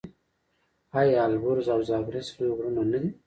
آیا البرز او زاگرس لوی غرونه نه دي؟